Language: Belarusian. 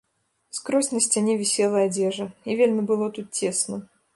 Скрозь на сцяне вісела адзежа, і вельмі было тут цесна.